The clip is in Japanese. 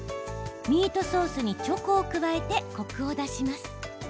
ミートソースにチョコを加えてコクを出します。